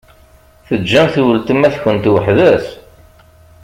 Teǧǧamt weltma-tkent weḥd-s?